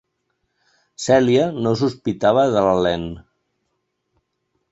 Celia no sospitava de l"Helene.